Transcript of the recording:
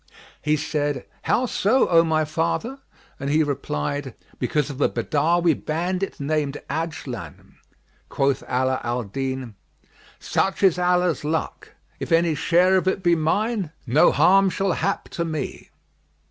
He said, "How so, O my father?"; and he replied, "Because of a Badawi bandit named Ajlan." Quoth Ala al Din, "Such is Allah's luck; if any share of it be mine, no harm shall hap to me."